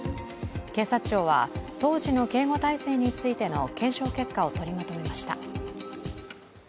警察庁は当時の警護態勢についての検証結果を取りまとめました。